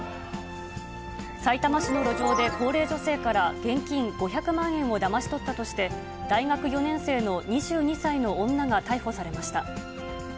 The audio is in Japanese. さいたま市の路上で高齢女性から現金５００万円をだまし取ったとして、大学４年生の２２歳の女が逮捕されました。